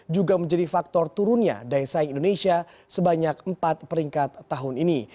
juga menjadi faktor turunnya daya saing indonesia sebanyak empat peringkat tahun ini